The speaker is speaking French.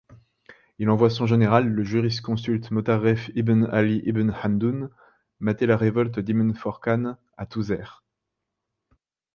Il envoie son général le jurisconsulte Motarref-Ibn-Ali-Ibn-Hamdoun mater la révolte d'Ibn-Forcan à Touzer.